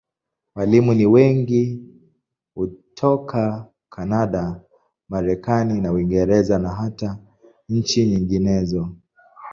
Walimu ni wengi hutoka Kanada, Marekani na Uingereza, na hata nchi nyinginezo.